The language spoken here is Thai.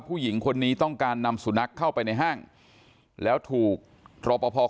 ผู้หญิงคนนี้ต้องการนำสุนัขเข้าไปในห้างแล้วถูกรอปภ